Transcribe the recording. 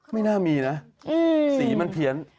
ไม่น่ามีนะสีมันเพี้ยน